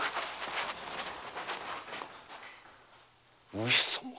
上様！